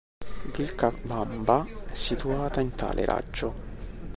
Vilcabamba è situata in tale raggio..